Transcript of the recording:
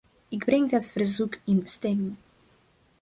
Ik breng dat verzoek in stemming.